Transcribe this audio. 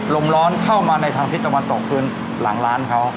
ลมร้อนเข้ามาในทางทิศตะวันตกพื้นหลังร้านเขา